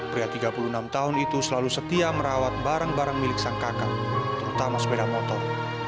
pria tiga puluh enam tahun itu selalu setia merawat barang barang milik sang kakak terutama sepeda motor